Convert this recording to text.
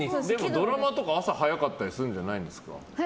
ドラマとか朝早かったりするんじゃないですか？